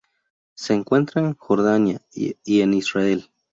Se encuentra en Jordania y en Israel.